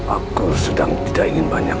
aku sedang tidak ingin banyak